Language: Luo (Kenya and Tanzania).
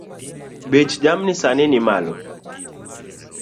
Bech jamni sani ni malo